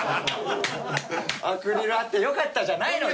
「アクリルあってよかった」じゃないの！